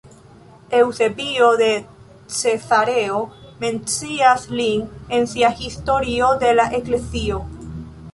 Eŭsebio de Cezareo mencias lin en sia Historio de la Eklezio.